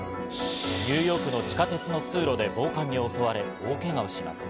ニューヨークの地下鉄の通路で暴漢に襲われ大けがをします。